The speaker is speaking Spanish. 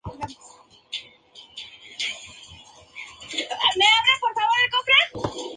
Tuvieron que abastecer a los bandos contendientes y sufrieron sus represalias.